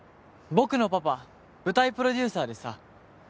僕のパパ舞台プロデューサーでさ。